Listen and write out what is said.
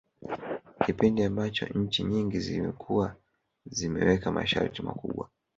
Kipindi ambacho nchi nyingi zilikuwa zimeweka masharti makubwa